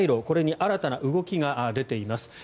これに新たな動きが出ています。